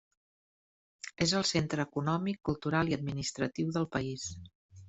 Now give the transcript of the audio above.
És el centre econòmic, cultural i administratiu del país.